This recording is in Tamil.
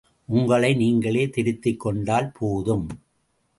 உங்களை நீங்களே திருத்திக் கொண்டால் போதும்.